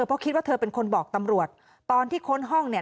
เพราะคิดว่าเธอเป็นคนบอกตำรวจตอนที่ค้นห้องเนี่ย